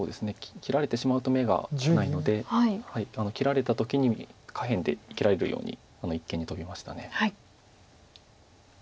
切られてしまうと眼がないので切られた時に下辺で生きられるように一間にトビました。